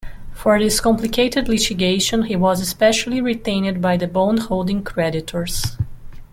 For this complicated litigation he was specially retained by the bond-holding creditors.